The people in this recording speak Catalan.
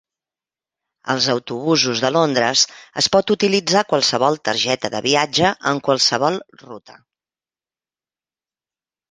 Als autobusos de Londres es pot utilitzar qualsevol targeta de viatge en qualsevol ruta.